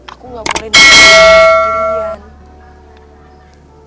aku gak boleh nangis